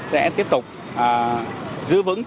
sẽ tiếp tục giữ vững